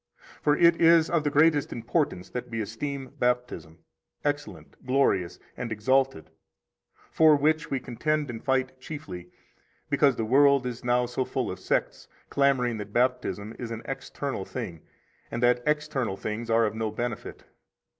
7 For it is of the greatest importance that we esteem Baptism 8 excellent, glorious, and exalted, for which we contend and fight chiefly, because the world is now so full of sects clamoring that Baptism is an external thing, and that external things are of no benefit.